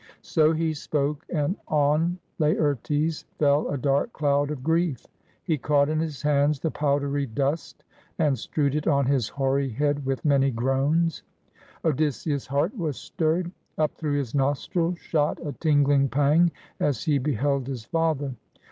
So he spoke, and on Laertes fell a dark cloud of grief. He caught in his hands the powdery dust and strewed it on his hoary head with many groans. Odysseus' heart was stirred. Up through his nostrils shot a tingling pang as he beheld his father.